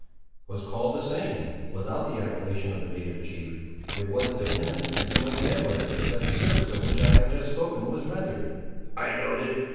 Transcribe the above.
"Was called the same, without the appellation of the native chief. It was to him, and to my grandmother, that the service of which I have just spoken was rendered." "I know'd it!